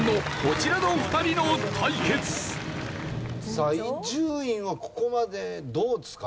さあ伊集院はここまでどうですか？